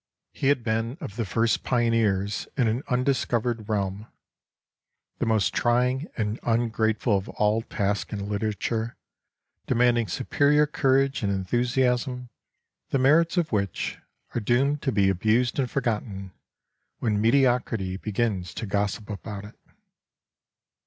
He had been of the first pioneers in an undiscovered realm, the most trying and ungrateful of all tasks in literature, demanding superior courage and enthusiasm, the merits of which are doomed to be abused and forgotten when mediocrity begins to gossip about it.